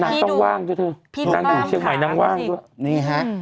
ต้องว่างด้วยเธอพี่นางอยู่เชียงใหม่นางว่างด้วยนี่ฮะ